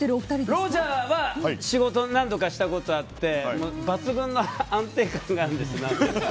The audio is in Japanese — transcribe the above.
ロジャーとは仕事を何度かしたことあって抜群の安定感があるんですよ。